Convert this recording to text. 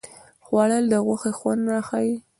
خوړل د غوښې خوند راښيي